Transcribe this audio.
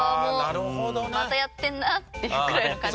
猫側もまたやってんなっていうくらいの感じ。